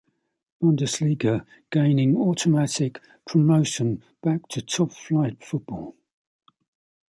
Bundesliga gaining automatic promotion back to top flight football.